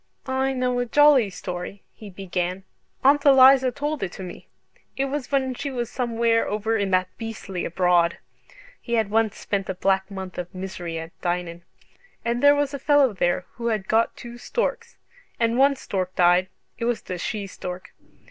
"I know a jolly story," he began. "Aunt Eliza told it me. It was when she was somewhere over in that beastly abroad" (he had once spent a black month of misery at Dinan) "and there was a fellow there who had got two storks. And one stork died it was the she stork."